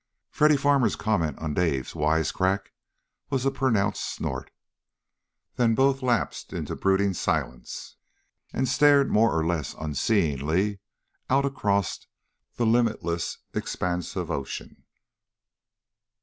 Freddy Farmer's comment on Dave's wisecrack was a pronounced snort. Then both lapsed into brooding silence and stared more or less unseeingly out across the limitless expanse of ocean.